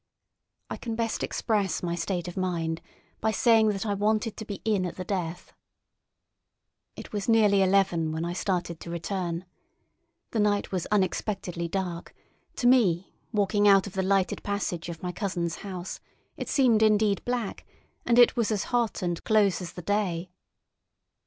I can best express my state of mind by saying that I wanted to be in at the death. It was nearly eleven when I started to return. The night was unexpectedly dark; to me, walking out of the lighted passage of my cousins' house, it seemed indeed black, and it was as hot and close as the day.